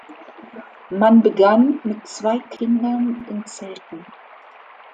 Man begann mit zwei Kindern in Zelten.